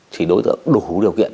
thì đối tượng đủ điều kiện